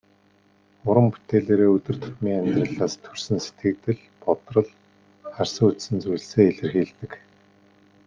Уран бүтээлээрээ өдөр тутмын амьдралаас төрсөн сэтгэгдэл, бодрол, харсан үзсэн зүйлсээ илэрхийлдэг.